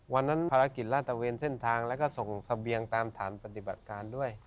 วันนั้นภารกิจลาดตะเวนเส้นทางแล้วก็ส่งเสบียงตามฐานปฏิบัติการด้วย